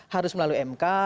harus melalui mk